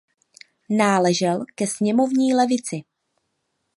Náležel ke sněmovní levici.